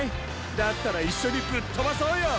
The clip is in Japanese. だったらいっしょにぶっとばそうよ！